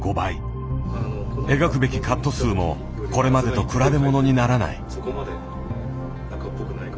描くべきカット数もこれまでと比べものにならない。